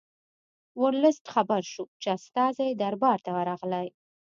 ورلسټ خبر شو چې استازي دربار ته ورغلي.